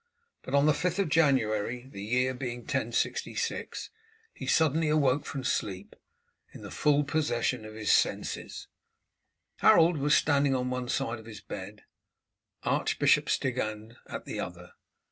But on the 5th of January, the year being 1066, he suddenly awoke from sleep, in the full possession of his senses. Harold was standing on one side of his bed, Archbishop Stigand at the other.